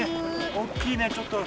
大きいねちょっと。